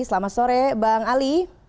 selamat sore bang ali